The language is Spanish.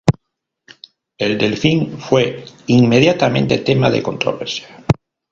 El Delfín fue inmediatamente tema de controversia.